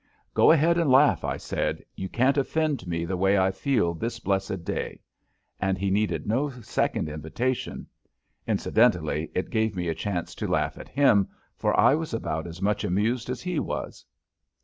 "Go ahead and laugh!" I said. "You can't offend me the way I feel this blessed day!" And he needed no second invitation. Incidentally, it gave me a chance to laugh at him, for I was about as much amused as he was.